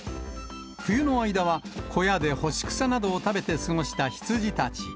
冬の間は、小屋で干し草などを食べて過ごした羊たち。